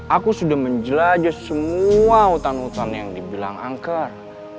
aku sudah menjelajah semua hutan hutan yang dibilang angker